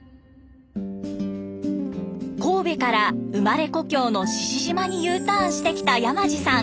神戸から生まれ故郷の志々島にＵターンしてきた山地さん。